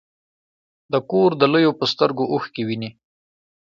د کور د لویو په سترګو اوښکې وینې.